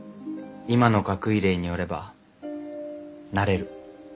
今の学位令によればなれる。